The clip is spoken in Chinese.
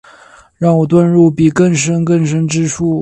让我遁入比更深更深之处